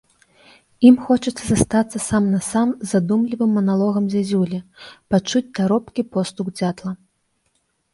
Ім хочацца застацца сам-насам з задумлівым маналогам зязюлі, пачуць таропкі постук дзятла.